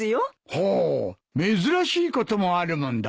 ほう珍しいこともあるもんだな。